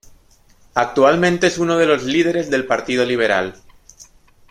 Actualmente es uno de los líderes del Partido Liberal.